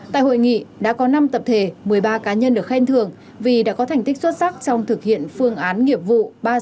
tại hội nghị đã có năm tập thể một mươi ba cá nhân được khen thường vì đã có thành tích xuất sắc trong thực hiện phương án nghiệp vụ ba nghìn sáu trăm ba mươi một